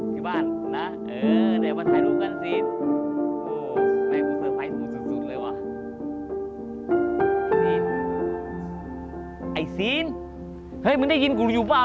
อยู่บ้านนะเออวันไทยดูกันซีนย์แฮ้ซีนเอ้ยมึงได้ยินกูอยู่ป่าว